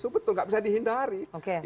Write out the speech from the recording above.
itu betul nggak bisa dihindari